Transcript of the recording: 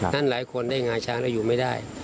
หลายคนได้งาช้างแล้วอยู่ไม่ได้